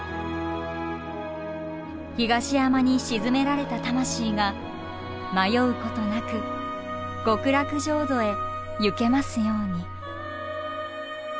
「東山に鎮められた魂が迷うことなく極楽浄土へゆけますように」。